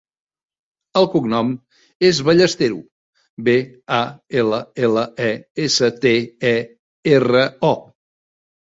El cognom és Ballestero: be, a, ela, ela, e, essa, te, e, erra, o.